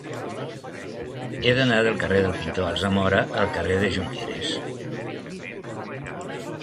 He d'anar del carrer del Pintor Alsamora al carrer de Jonqueres.